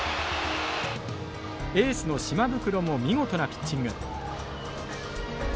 エースの島袋も見事なピッチング。